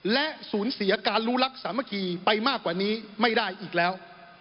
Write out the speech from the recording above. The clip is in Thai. และสูญเสียการรู้รักสามัคคีไปมากกว่านี้ไม่ได้อีกแล้ว